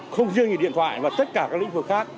không riêng là điện thoại mà tất cả các lĩnh vực khác